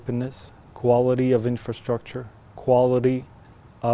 tính năng lực mạc và tính năng lực của chính quyền